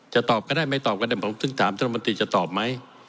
ตอบก็ได้ไม่ตอบก็ได้ผมถึงถามท่านรัฐมนตรีจะตอบไหม